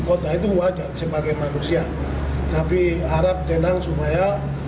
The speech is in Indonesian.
kota itu wajar sebagai manusia tapi harap tenang supaya